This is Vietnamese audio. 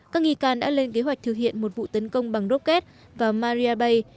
các nghi can đã lên kế hoạch thực hiện một vụ tấn công bằng rocket vào maria bay